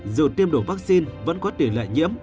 dù tiêm đủ vaccine vẫn có tỷ lệ nhiễm